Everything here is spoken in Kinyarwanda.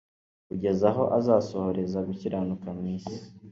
kugeza aho azasohoreza gukiranuka mu isi."